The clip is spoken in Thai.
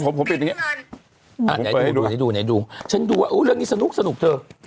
เดี๋ยวไหนดูฉันดูว่าอู้ตรงนี้สนุกเธอ